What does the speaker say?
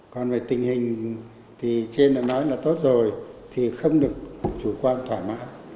còn về tình hình thì trên đã nói là tốt rồi thì không được chủ quan thỏa mãn